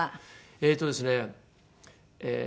えっとですねええ